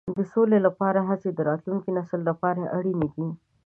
د سولې لپاره هڅې د راتلونکي نسل لپاره اړینې دي.